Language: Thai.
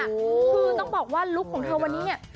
คือต้องบอกว่าลุคของเธอวันนี้เนี่ย